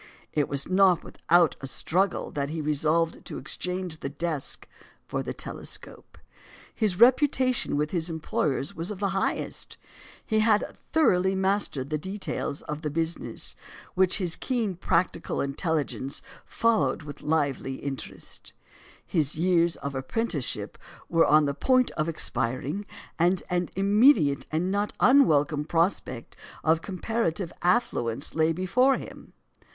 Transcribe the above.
It was not without a struggle that he resolved to exchange the desk for the telescope. His reputation with his employers was of the highest; he had thoroughly mastered the details of the business, which his keen practical intelligence followed with lively interest; his years of apprenticeship were on the point of expiring, and an immediate, and not unwelcome prospect of comparative affluence lay before him.